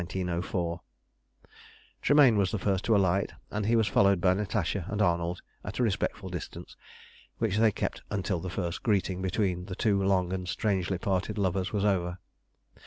Tremayne was the first to alight, and he was followed by Natasha and Arnold at a respectful distance, which they kept until the first greeting between the two long and strangely parted lovers was over.